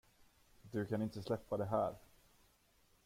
Du kan inte släppa det här.